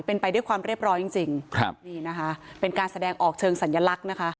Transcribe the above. เป็นไปด้วยความเรียบร้อยจริงเป็นการแสดงออกเชิงสัญลักษณ์นะคะ